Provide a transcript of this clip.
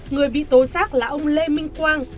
người bị tố giác là ông lê minh quang bị lão chết